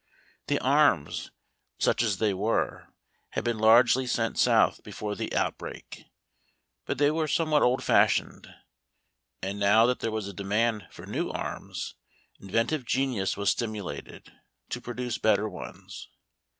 The arms, such as they were, had been largely sent South before the outbreak. But they were somewhat old fashioned, and, now that there was a demand for new arms, inventive genius was stimulated to produce better ones.